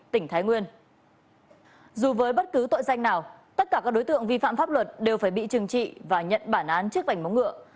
tất cả các đối tượng vi phạm pháp luật đều phải bị trừng trị và nhận bản án trước bảnh móng ngựa